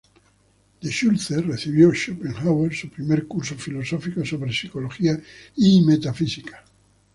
De Schulze recibió Schopenhauer su primer curso filosófico sobre Psicología y Metafísica.